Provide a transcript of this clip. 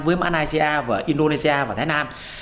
với malaysia indonesia và thái lan